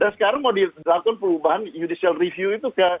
dan sekarang mau dilakukan perubahan judicial review itu ke apa ke mk